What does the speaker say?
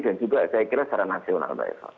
dan juga saya kira secara nasional mbak eva